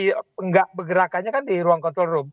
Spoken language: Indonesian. tidak bergerakannya kan di ruang kontrol